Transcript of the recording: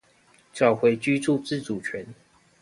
找回居住自主權